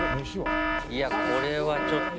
いや、これは、ちょっと。